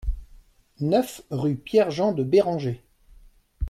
neuf rue Pierre Jean de Béranger